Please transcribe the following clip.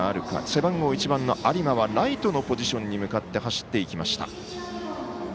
背番号１番の有馬はライトのポジションに向かって走っていきました。